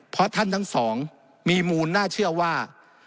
เพราะท่านทั้งสองมีมูลน่าเชื่อว่า